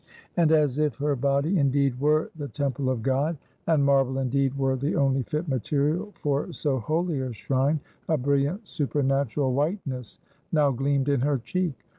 And as if her body indeed were the temple of God, and marble indeed were the only fit material for so holy a shrine, a brilliant, supernatural whiteness now gleamed in her cheek.